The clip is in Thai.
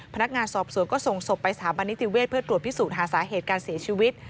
พนักงานสอบสวนก็ส่งศพไปสถาบันนิติเวศเพื่อตรวจพิสูจน์หาสาเหตุการเสียชีวิต